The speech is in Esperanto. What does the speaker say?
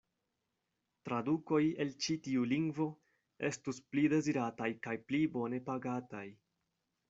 Tradukoj el ĉi tiu lingvo estus pli dezirataj kaj pli bone pagataj.